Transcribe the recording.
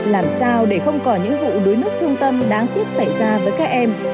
làm sao để không còn những vụ đuối nước thương tâm đáng tiếc xảy ra với các em